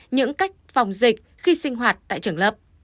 những cách phòng dịch khi sinh hoạt tại trường lớp